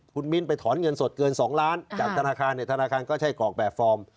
คุณมิ้นไปถอนเงินสดเกิน๒ล้านจากธนาคารเนี่ยธนาคารก็ใช้กรอกแบบฟอร์ม